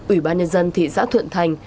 ủy ban nhân dân thị xã thuận thành